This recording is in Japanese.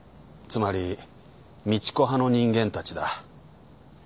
つまり美智子派の人間たちだ。